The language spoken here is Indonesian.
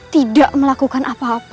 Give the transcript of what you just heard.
tidak melakukan apa apa